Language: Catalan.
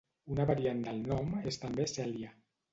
Una variant del nom és també Cèlia.